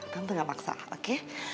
tante nggak maksa oke